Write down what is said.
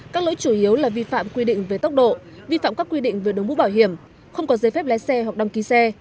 các lỗi chủ yếu là vi phạm quy định về tốc độ vi phạm các quy định về đồng bút bảo hiểm không có giấy phép lái xe hoặc đăng ký xe